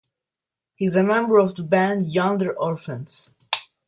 He is a member of the band Yonder Orphans.